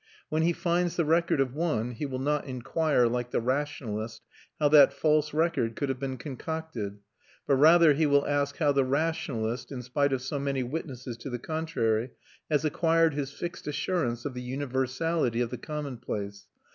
When he finds the record of one he will not inquire, like the rationalist, how that false record could have been concocted; but rather he will ask how the rationalist, in spite of so many witnesses to the contrary, has acquired his fixed assurance of the universality of the commonplace.